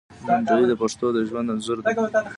لنډۍ د پښتنو د ژوند انځور دی.